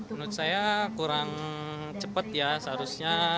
menurut saya kurang cepat ya seharusnya